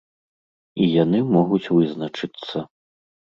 І яны могуць вызначыцца.